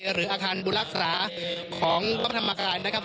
หรืออาคารบุรักษาของพระธรรมกายนะครับ